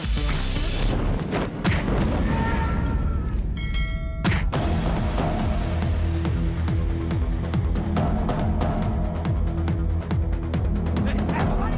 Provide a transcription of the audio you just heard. tidak dia sudah kembali